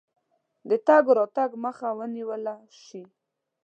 د تګ راتګ مخه ونیوله شي.